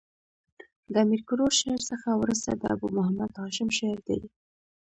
د امیر کروړ شعر څخه ورسته د ابو محمد هاشم شعر دﺉ.